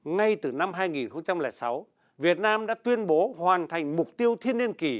ngay từ năm hai nghìn sáu việt nam đã tuyên bố hoàn thành mục tiêu thiên niên kỷ